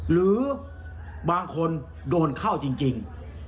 หรือบางคนโดนเข้าจริง